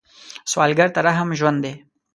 سوالګر ته رحم ژوند دی